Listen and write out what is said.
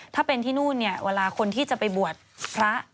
ถ้าเป็นที่นู่นเนี่ยเวลาคนที่จะไปบวชพระ